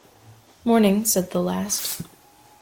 “Morning,” said the last.